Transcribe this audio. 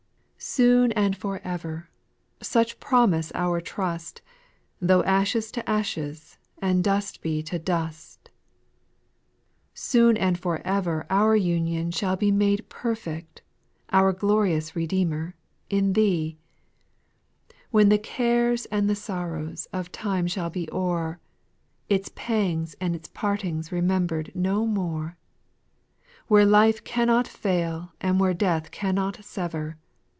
2. Soon and for ever, — such promise our trust, — Though ashes to ashes, and dust be to dust, Soon and for ever our union shall be Made perfect, our glorious Redeemer, in Thee ; When the cares and the sorrows of time shall be o'er. Its pangs and its partings remembered no more. Where life cannot fail and where death can not sever.